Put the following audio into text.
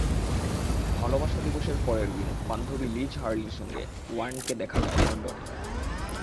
ভালোবাসা দিবসের পরের দিন বান্ধবী লিজ হার্লির সঙ্গে ওয়ার্নকে দেখা যায় লন্ডনে।